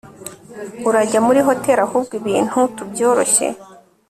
urajya muri hotel ahubwo ibintu tubyoroshye